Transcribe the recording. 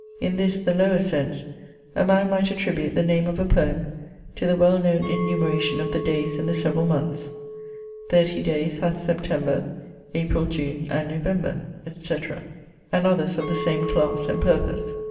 In this, the lowest sense, a man might attribute the name of a poem to the well known enumeration of the days in the several months; "Thirty days hath September, April, June, and November," etc. and others of the same class and purpose.